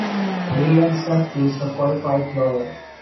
Williamson is a qualified lawyer.